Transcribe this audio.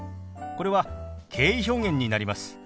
これは敬意表現になります。